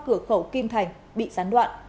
cửa khẩu kim thành bị gián đoạn